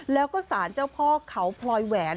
แล้วก็สารเจ้าพ่อเขาพลอยแหวน